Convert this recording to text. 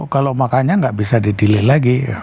kalau makanya nggak bisa di delay lagi